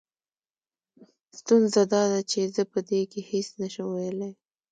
ستونزه دا ده چې زه په دې کې هېڅ نه شم ويلې.